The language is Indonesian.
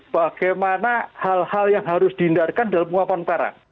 bagaimana hal hal yang harus dihindarkan dalam penguapan perang